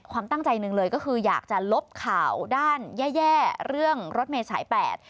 ความตั้งใจหนึ่งเลยก็คืออยากจะลบข่าวด้านแย่แย่เรื่องรถเมษายแปด